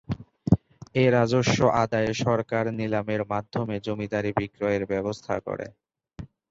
এ রাজস্ব আদায়ে সরকার নিলামের মাধ্যমে জমিদারি বিক্রয়ের ব্যবস্থা করে।